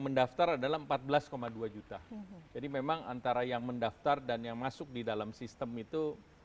mendaftar adalah empat belas dua juta jadi memang antara yang mendaftar dan yang masuk di dalam sistem itu